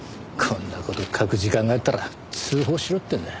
こんな事書く時間があったら通報しろってんだ。